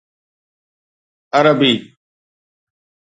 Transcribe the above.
عربي